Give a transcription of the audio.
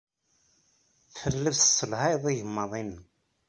Telliḍ tesselhayeḍ igmaḍ-nnem.